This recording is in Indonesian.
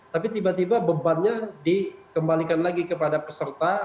tapi tiba tiba bebannya dikembalikan lagi kepada peserta